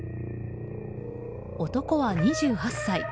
男は２８歳。